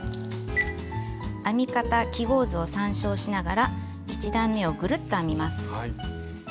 編み方記号図を参照しながら１段めをグルッと編みます。